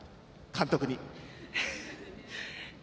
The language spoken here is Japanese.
監督に。